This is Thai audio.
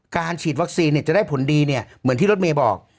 การฉีดวัคซีนเนี่ยจะได้ผลดีเนี่ยเหมือนที่รถเมย์บอก